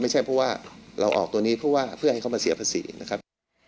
ไม่ใช่เพราะว่าเราออกตัวนี้เพื่อให้เขามาเสียบสีนะครับ